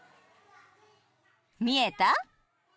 見えた？